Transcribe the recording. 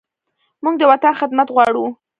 موږ د وطن خدمت غواړو.